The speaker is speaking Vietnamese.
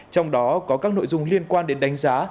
trong đó có các nội dung liên quan đến đánh giá